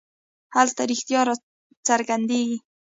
هلته رښتیا څرګندېږي.